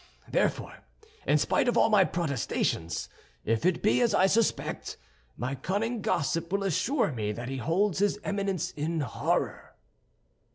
Therefore, in spite of all my protestations, if it be as I suspect, my cunning gossip will assure me that he holds his Eminence in horror."